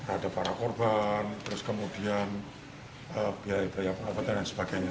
ada para korban kemudian biaya perabotan dan sebagainya